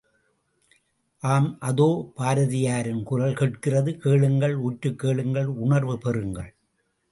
ஆம் அதோ பாரதியாரின் குரல் கேட்கிறது, கேளுங்கள் உற்றுக் கேளுங்கள் உணர்வு பெறுங்கள்.